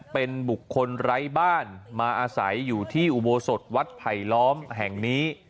เป็นบุคคลไร้บ้านมาอาศัยอยู่ที่อุโบสถวัดไผลล้อมแห่งนี้